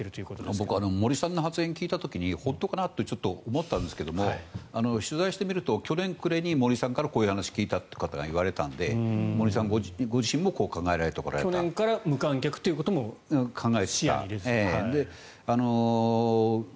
僕、森さんの発言を聞いた時に本当かなとちょっと思ったんですけど取材してみると去年暮れに森さんからこう聞いたという方がいられたので、森さんご自身も去年から無観客ということも視野に入れていた。